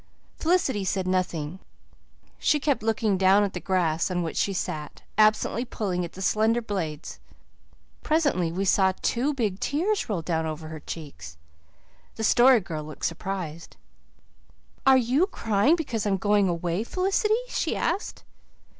Felicity said nothing. She kept looking down at the grass on which she sat, absently pulling at the slender blades. Presently we saw two big tears roll down over her cheeks. The Story Girl looked surprised. "Are you crying because I'm going away, Felicity?" she asked.